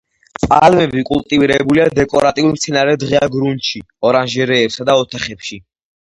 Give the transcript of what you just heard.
პალმები კულტივირებულია დეკორატიულ მცენარედ ღია გრუნტში, ორანჟერეებსა და ოთახებში.